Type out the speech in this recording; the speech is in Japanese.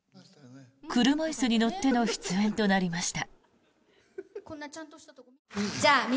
車椅子に乗っての出演となりました。